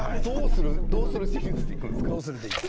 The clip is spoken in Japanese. どうするシリーズでいくんですか？